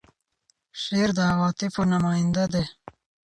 شعر د عواطفو نماینده دی.